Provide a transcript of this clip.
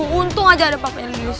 aduh untung aja ada bapak yang lius